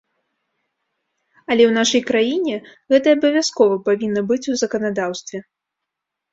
Але ў нашай краіне гэта абавязкова павінна быць у заканадаўстве.